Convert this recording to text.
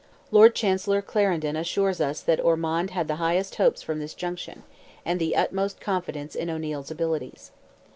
Lord Chancellor Clarendon assures us that Ormond had the highest hopes from this junction, and the utmost confidence in O'Neil's abilities.